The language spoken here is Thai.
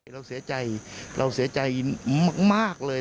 เราเสียใจเราเสียใจมากเลย